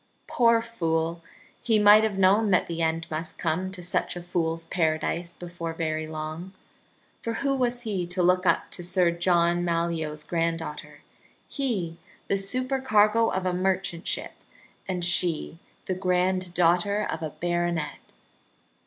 Poor fool! He might have known that the end must come to such a fool's paradise before very long. For who was he to look up to Sir John Malyoe's granddaughter, he, the supercargo of a merchant ship, and she the granddaughter of a baronet.